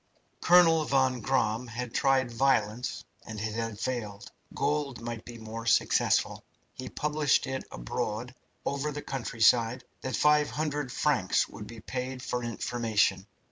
Colonel von Gramm had tried violence, and it had failed. Gold might be more successful. He published it abroad over the countryside that 500frs. would be paid for information.